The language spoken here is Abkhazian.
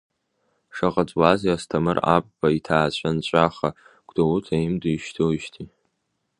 Шаҟа ҵуазеи Асҭамыр Апба иҭаацәа нҵәаха, Гәдоуҭа еимдо ишьҭоуижьҭеи.